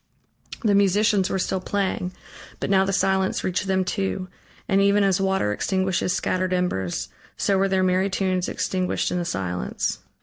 The musicians were still playing, but now the silence reached them too, and even as water extinguishes scattered embers, so were their merry tunes extinguished in the silence.